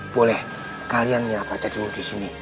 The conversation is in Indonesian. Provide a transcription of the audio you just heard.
boleh kalian nyapa saja dulu disini